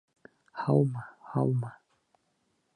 Һаумы, һаумы!